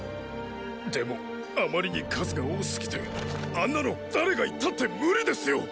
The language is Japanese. でもあまりに数が多すぎてあんなの誰がいたって無理ですよ！